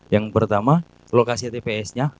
yang pertama lokasi tps nya